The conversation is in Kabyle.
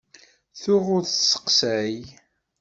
Ttuɣ ur t-sseqsaɣ.